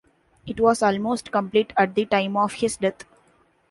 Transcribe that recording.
It was almost complete at the time of his death.